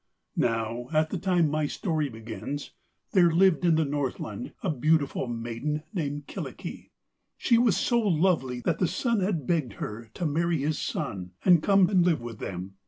Now at the time my story begins, there lived in the Northland a beautiful maiden named Kyllikki. She was so lovely that the Sun had begged her to marry his son and come and live with them.